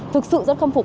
thực sự rất khâm phục